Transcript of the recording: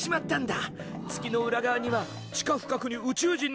月の裏側には地下深くに宇宙人の基地があることを！